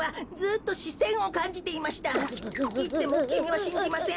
いってもきみはしんじません？